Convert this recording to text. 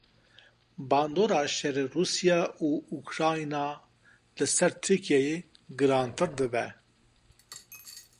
Bandora şerê Rûsya û Ukrayna li ser Tirkiyeyê girantir dibe.